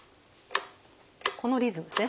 このリズムですね。